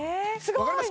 分かります？